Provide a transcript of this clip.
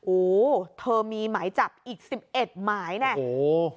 โอ้โหเธอมีหมายจับอีก๑๑หมายนี่